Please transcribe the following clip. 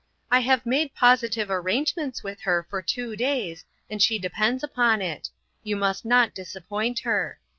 I have made positive arrangements with her for two days, and she depends upon it ; you must not disappoint her.